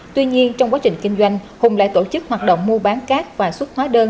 tuy nhiên trong quá trình kinh doanh hùng lại tổ chức hoạt động mua bán cát và xuất hóa đơn